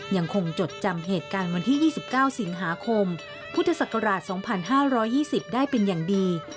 จดจำเหตุการณ์วันที่๒๙สิงหาคมพุทธศักราช๒๕๒๐ได้เป็นอย่างดี